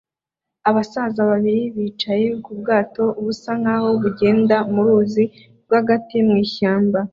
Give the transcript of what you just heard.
Abasaza babiri bicaye ku bwato busa nkaho bugenda mu ruzi rwagati mu ishyamba